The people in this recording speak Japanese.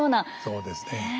そうですね。